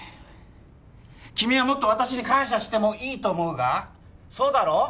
君はもっと私に感謝してもいいと思うがそうだろう？